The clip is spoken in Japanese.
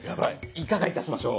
いかがいたしましょう？